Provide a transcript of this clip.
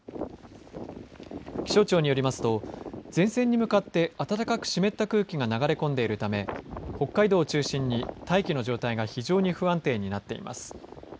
気象庁によりますと前線に向かって暖かく湿った空気が流れ込んでいるため北海道を中心に大気の状態が非常に不安定になっています。